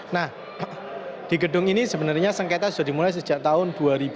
nah di gedung ini sebenarnya sengketa sudah dimulai sejak tahun dua ribu